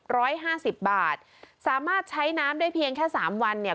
ร้อยห้าสิบบาทสามารถใช้น้ำได้เพียงแค่สามวันเนี่ย